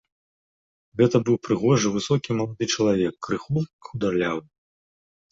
Гэта быў прыгожы, высокі малады чалавек, крыху хударлявы.